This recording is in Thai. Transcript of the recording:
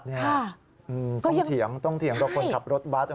นี่ต้องเถียงต้องเถียงกับคนขับรถบัส